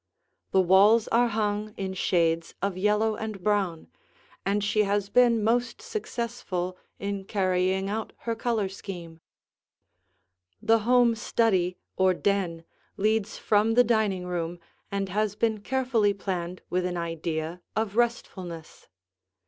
The walls are hung in shades of yellow and brown, and she has been most successful in carrying out her color scheme. [Illustration: The Den] The home study, or den, leads from the dining room and has been carefully planned with an idea of restfulness.